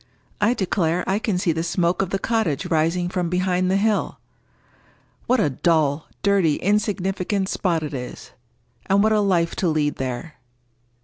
I declare, I can see the smoke of the cottage rising from behind the hill! What a dull, dirty, insignificant spot it is! And what a life to lead there!"